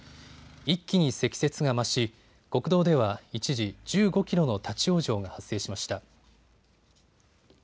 一気に積雪が増し国道では一時、１５キロの立往生が発生しました。